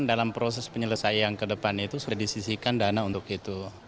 dalam proses penyelesaian ke depan itu sudah disisikan dana untuk itu